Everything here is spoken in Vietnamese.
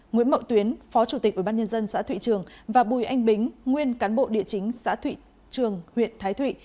nguyễn mậu tuyến phó chủ tịch ubnd xã thụy trường và bùi anh bính nguyên cán bộ địa chính xã thụy trường huyện thái thụy